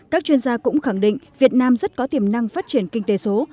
các chuyên gia cũng khẳng định việt nam rất có tiềm năng phát triển kinh tế số